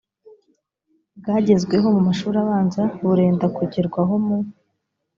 bwagezweho mu mashuri abanza burenda kugerwaho mu